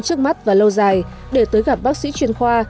trước mắt và lâu dài để tới gặp bác sĩ chuyên khoa